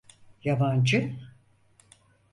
Yabancı…